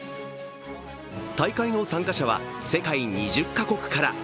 大会の参加者は世界２０か国から。